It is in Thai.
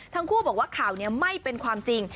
ทั้งคู่บอกว่าข่าวนี้ไม่เป็นความจริง